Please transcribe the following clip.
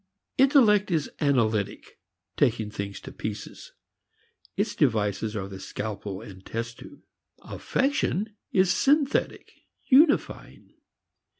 Intellect is analytic, taking things to pieces; its devices are the scalpel and test tube. Affection is synthetic, unifying.